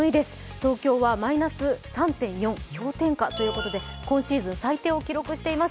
東京はマイナス３．４、氷点下ということで今シーズン最低を記録しています。